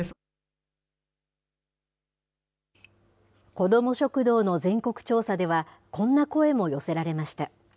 子ども食堂の全国調査では、こんな声も寄せられました。